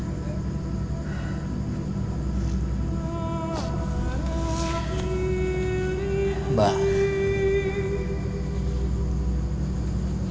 ibu saya sudah meninggal